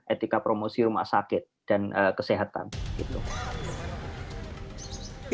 etika promosi rumah sakit dan kesehatan gitu